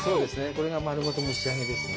これが丸ごと蒸し上げですね。